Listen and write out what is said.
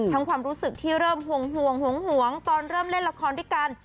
ความรู้สึกที่เริ่มห่วงหวงตอนเริ่มเล่นละครด้วยกัน